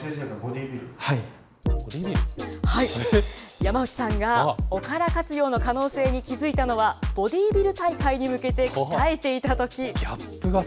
山内さんがおから活用の可能性に気付いたのは、ボディービル大会に向けて鍛えていたとき。